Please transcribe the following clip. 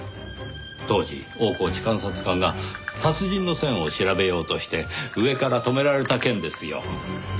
当時大河内監察官が殺人の線を調べようとして上から止められた件ですよ。